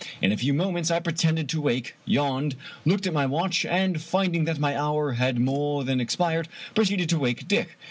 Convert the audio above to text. In a few moments I pretended to awake, yawned, looked at my watch, and finding that my hour had more than expired, proceeded to wake Dick.